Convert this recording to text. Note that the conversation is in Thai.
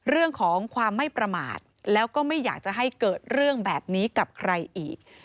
เรื่องของความไม่ประมาทแล้วก็ไม่อยากจะให้เกิดเรื่องแบบนี้กับใครอีก